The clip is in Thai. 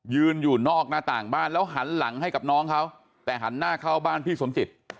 อยู่นอกหน้าต่างบ้านแล้วหันหลังให้กับน้องเขาแต่หันหน้าเข้าบ้านพี่สมจิต